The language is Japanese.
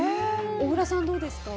小倉さん、どうですか？